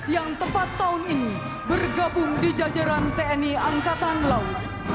yang tepat tahun ini bergabung di jajaran tni angkatan laut